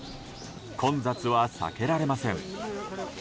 混雑は避けられません。